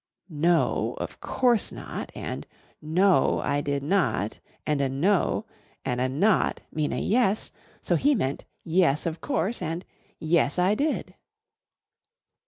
"'No, of course not' and 'No, I did not' and a 'no' an' a 'not' mean a 'yes,' so he meant 'yes, of course' and 'yes, I did.'"